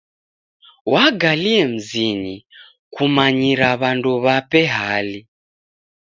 Wagalie mzinyi kumanyira w'andu w'ape hali.